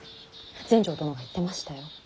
全成殿が言ってましたよ。